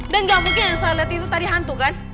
dan gak mungkin yang saya lihat itu tadi hantu kan